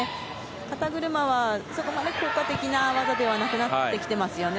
肩車は、効果的な技ではなくなってきていますね。